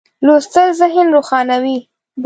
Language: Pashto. لوستل ذهن روښانوي.